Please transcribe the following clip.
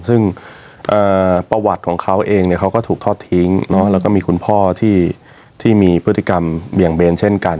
ซึ่งประวัติของเขาเองเนี่ยเขาก็ถูกทอดทิ้งแล้วก็มีคุณพ่อที่มีพฤติกรรมเบี่ยงเบนเช่นกัน